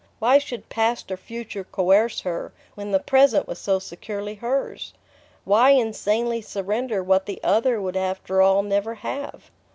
Why should past or future coerce her, when the present was so securely hers? Why insanely surrender what the other would after all never have?